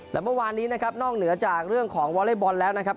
และเมื่อวานนี้นะครับนอกเหนือจากเรื่องของวอเล็กบอลแล้วนะครับ